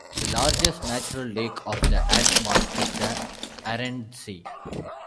The largest natural lake of the Altmark is the Arendsee.